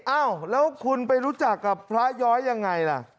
อ้าวแล้วคุณไปรู้จักกับพระย้อยยังไงล่ะ